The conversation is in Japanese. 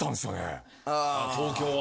東京は。